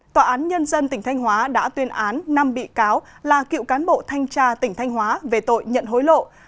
tòa án nhân dân tỉnh thanh hóa đã tuyên án năm bị cáo là cựu cán bộ thanh tra tỉnh thanh hóa về tội nhận hối lộ